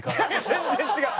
全然違う！